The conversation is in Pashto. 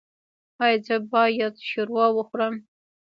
ایا زه باید شوروا وخورم؟